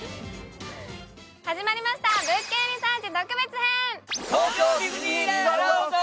始まりました、「物件リサーチ特別編」！